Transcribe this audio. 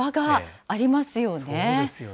そうですよね。